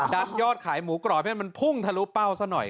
ยอดขายหมูกรอบให้มันพุ่งทะลุเป้าซะหน่อย